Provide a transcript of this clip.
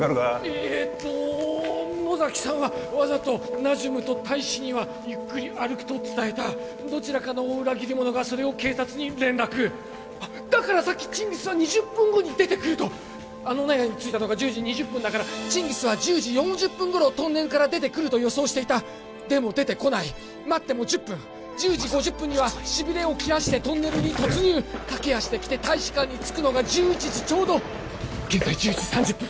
えーと野崎さんはわざとナジュムと大使にはゆっくり歩くと伝えたどちらかの裏切り者がそれを警察に連絡あっだからさっきチンギスは２０分後に出てくるとあの納屋に着いたのが１０時２０分だからチンギスは１０時４０分ごろトンネルから出てくると予想していたでも出てこない待っても１０分１０時５０分にはしびれを切らしてトンネルに突入駆け足できて大使館に着くのが１１時ちょうど現在１０時３０分